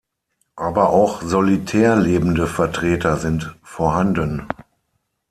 Aber auch solitär lebende Vertreter sind vorhanden.